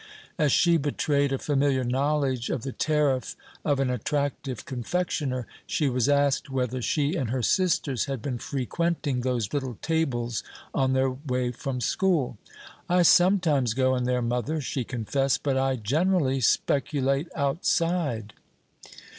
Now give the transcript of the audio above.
As she betrayed a familiar knowledge of the tariff of an attractive confectioner, she was asked whether she and her sisters had been frequenting those little tables on their way from school. "I sometimes go in there, mother," she confessed; "but I generally speculate outside."